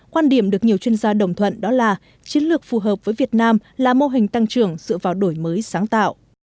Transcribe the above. quan điểm được nhiều chuyên gia đồng thuận đó là chiến lược phù hợp với việt nam là mô hình tăng trưởng dựa vào đổi mới sáng tạo